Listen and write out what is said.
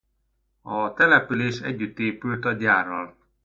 A település együtt épült a gyárral.